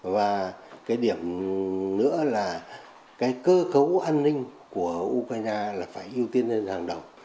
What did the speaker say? và cái điểm nữa là cái cơ cấu an ninh của ukraine là phải ưu tiên lên hàng đầu